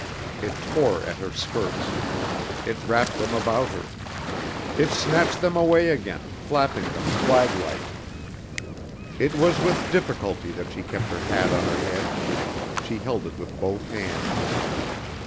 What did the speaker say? It tore at her skirts. It wrapped them about her. It snatched them away again, flapping them flaglike. It was with difficulty that she kept her hat on her head. She held it with both hands.